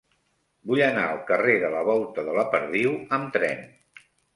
Vull anar al carrer de la Volta de la Perdiu amb tren.